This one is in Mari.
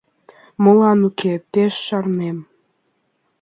— Молан уке, пеш шарнем.